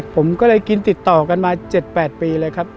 ผมก็เลยกินติดต่อกันมา๗๘ปีเลยครับ